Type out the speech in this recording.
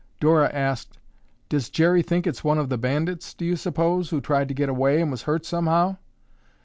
Dora asked, "Does Jerry think it's one of the bandits, do you suppose, who tried to get away and was hurt somehow?"